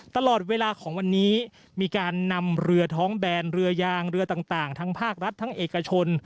ตลอดเวลาของวันนี้มีการนำเรือท้องแบนเรือยางเรือต่างทั้งภาครัฐทั้งเอกชน